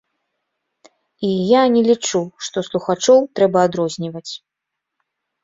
І я не лічу, што слухачоў трэба адрозніваць.